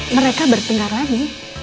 mereka bertengkar lagi